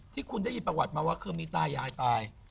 ที่คุณได้ยินประวัติมาว่าคือมีตายายตาย